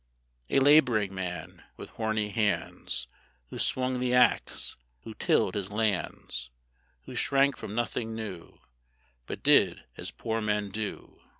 A laboring man, with horny hands, Who swung the axe, who tilled his lands, Who shrank from nothing new, But did as poor men do.